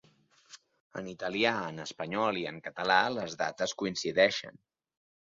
En italià, en espanyol i en català les dates coincideixen.